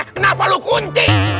kenapa lu kunci